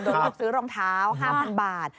โดนรูปซื้อรองเท้า๕๐๐๐บาท